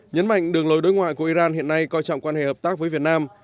nhấn mạnh đường lối đối ngoại của iran hiện nay coi trọng quan hệ hợp tác với việt nam